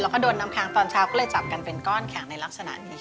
แล้วก็โดนน้ำค้างตอนเช้าก็เลยจับกันเป็นก้อนแข็งในลักษณะนี้